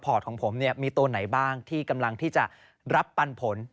ของผมเนี่ยมีตัวไหนบ้างที่กำลังที่จะรับปันผล